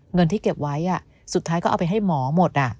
เงินที่เก็บไว้สุดท้ายก็เอาไปให้หมอหมด